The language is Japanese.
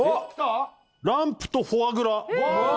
ランプとフォアグラヒュー！